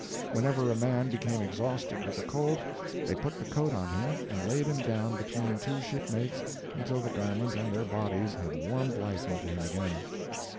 Whenever a man became exhausted with the cold, they put the coat on him and laid him down between two shipmates until the garment and their bodies had warmed life into him again.